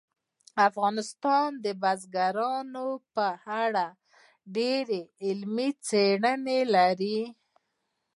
افغانستان د بزګانو په اړه ډېرې علمي څېړنې لري.